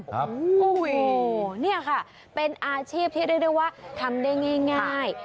โอ้โหนี่ค่ะเป็นอาชีพที่เรียกได้ว่าทำได้ง่าย